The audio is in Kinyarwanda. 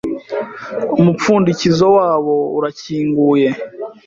Umupfundikizo wabo urakinguye